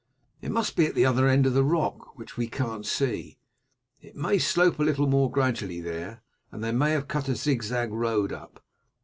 It must be at the other end of the rock, which we can't see. It may slope a little more gradually there, and they may have cut a zigzag road up.